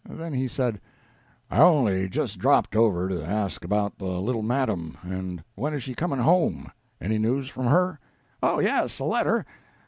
Then he said: "I only just dropped over to ask about the little madam, and when is she coming home. Any news from her?" "Oh, yes, a letter.